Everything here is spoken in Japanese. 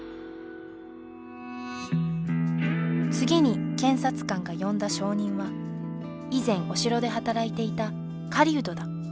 次に検察官が呼んだ証人は以前お城で働いていた狩人だ。